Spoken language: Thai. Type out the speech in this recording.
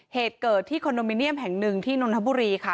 เหตุเกิดที่คอนโดมิเนียมแห่งหนึ่งที่นนทบุรีค่ะ